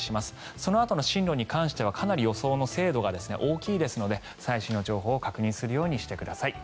そのあとの進路に関してはかなり予想の精度が大きいですので最新の情報を確認するようにしてください。